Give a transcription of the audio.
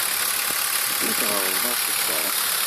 I teɣreḍ-as i Tom?